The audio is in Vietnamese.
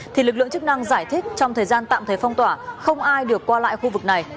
thì lực lượng chức năng giải thích trong thời gian tạm thời phong tỏa không ai được qua lại khu vực này